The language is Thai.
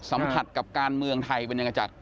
สัมผัสกับการเมืองไทยเป็นยังไงจาก